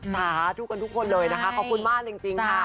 สาธุกันทุกคนเลยนะคะขอบคุณมากจริงค่ะ